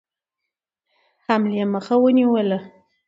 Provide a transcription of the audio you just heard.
حملې مخه ونیوله.